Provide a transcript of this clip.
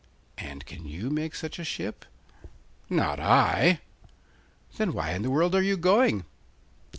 'And can you make such a ship?' 'Not I.' 'Then why in the world are you going?